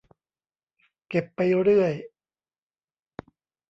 เก็บไปเรื่อย